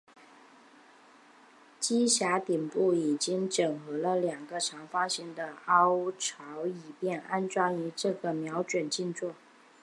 机匣顶部已经整合了两个长方形的凹槽以便安装这个瞄准镜座。